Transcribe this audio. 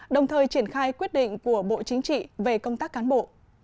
đồng thời triển khai quyết định của bộ chính trị về công tác cán bộ